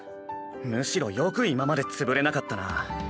むしろよく今まで潰れなかったな。